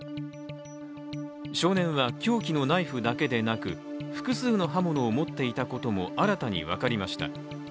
少年は凶器のナイフだけでなく複数の刃物を持っていたことも新たに分かりました。